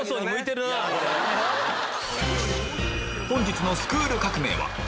本日の『スクール革命！』は